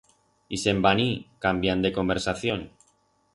Y se'n van ir, cambiand de conversación.